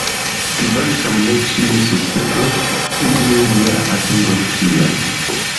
Kvankam ne ĉiuj sukcesos, iuj ja atingos tion.